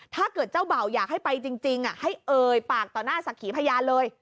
ถ้าเกิดเจ้าเบ่าอยากให้ไปจริงให้เอ่ยปากต่อหน้าสักขีพยานเลย